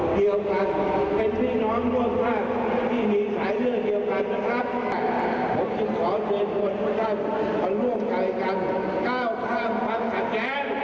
ผมพร้อมที่จะสาประโยชน์กับคนไทย